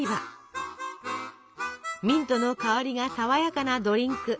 ミントの香りがさわやかなドリンク。